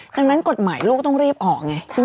ดังนั้นกฎหมายลูกต้องรีบออกไง